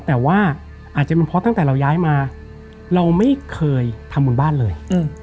แต่ว่าอาจจะเป็นเพราะตั้งแต่เราย้ายมาเราไม่เคยทำบุญบ้านเลย